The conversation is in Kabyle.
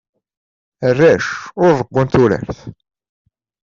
Arrac ur rewwun turart.